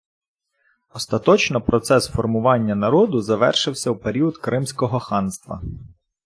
Остаточно процес формування народу завершився в період Кримського ханства.